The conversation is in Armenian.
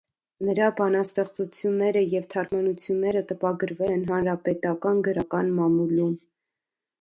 Նրա բանաստեղծությունները և թարգմանությունները տպագրվել են հանրապետական գրական մամուլում։